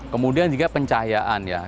kemudian juga pencahayaan ya